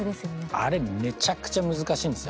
あれめちゃくちゃ難しいんですよ。